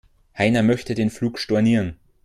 Heiner möchte den Flug stornieren.